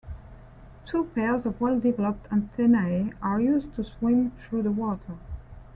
Two pairs of well-developed antennae are used to swim through the water.